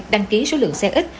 đăng ký số lượng xe ít